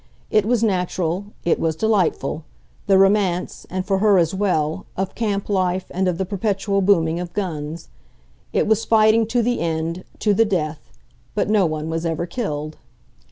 It was natural, it was delightful the romance, and for her as well, of camp life and of the perpetual booming of guns. It was fighting to the end, to the death, but no one was ever killed.